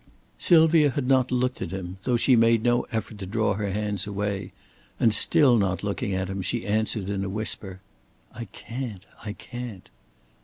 Sylvia had not looked at him, though she made no effort to draw her hands away, and still not looking at him, she answered in a whisper: "I can't, I can't."